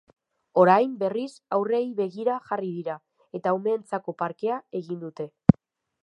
Orain, berriz, haurrei begira jarri dira eta umeentzako parkea egin dute.